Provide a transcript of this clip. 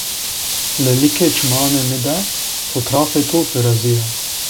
Lılikê çımanê mı de fotrafê to vıraziya.